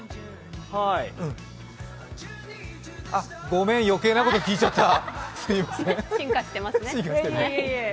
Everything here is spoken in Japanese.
ごめん、余計なこと聞いちゃった。